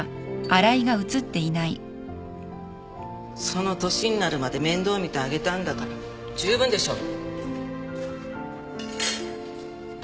その年になるまで面倒見てあげたんだからじゅうぶんでしょ